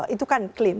itu kan klaim